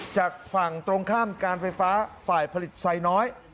จากฝั่งตรงข้ามการไฟฟ้าฝ่ายผลิตไซน้อย